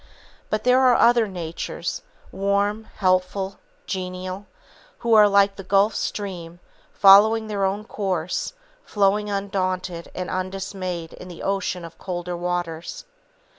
But there are other natures, warm, helpful, genial, who are like the Gulf Stream, following their own course, flowing undaunted and undismayed in the ocean of colder waters.